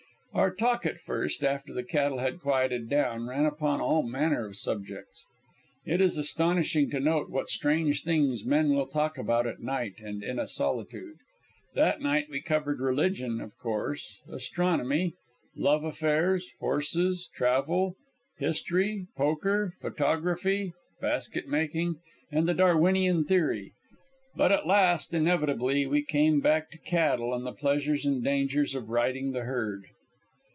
Our talk at first, after the cattle had quieted down, ran upon all manner of subjects. It is astonishing to note what strange things men will talk about at night and in a solitude. That night we covered religion, of course, astronomy, love affairs, horses, travel, history, poker, photography, basket making, and the Darwinian theory. But at last inevitably we came back to cattle and the pleasures and dangers of riding the herd.